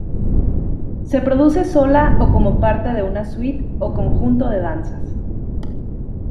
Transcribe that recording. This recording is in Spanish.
Se produce sola o como parte de una suite o conjunto de danzas.